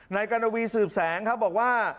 กรณวีสืบแสงครับบอกว่า